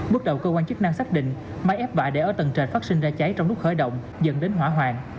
bước đầu cơ quan chức năng xác định máy ép bại để ở tầng trệt phát sinh ra cháy trong lúc khởi động dẫn đến hỏa hoạn